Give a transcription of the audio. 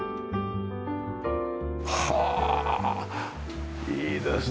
はあいいですね。